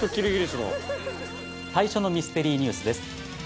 最初のミステリーニュースです。